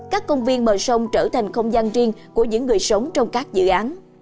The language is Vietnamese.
các công viên bờ sông trở thành không gian riêng của những người sống trong các dự án